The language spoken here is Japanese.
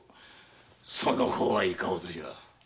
その方はいかほどじゃ？